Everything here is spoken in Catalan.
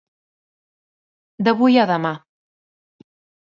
D'avui a demà.